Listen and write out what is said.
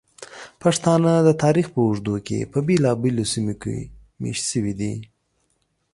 پښتانه د تاریخ په اوږدو کې په بېلابېلو سیمو کې میشت شوي دي.